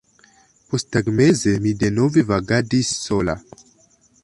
Posttagmeze mi denove vagadis sola.